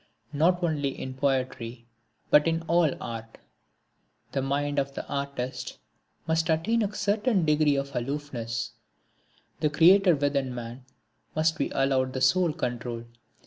Not only in poetry, but in all art, the mind of the artist must attain a certain degree of aloofness the creator within man must be allowed the sole control.